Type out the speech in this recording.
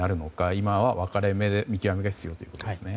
今は分かれ目、見極めが必要ということですね。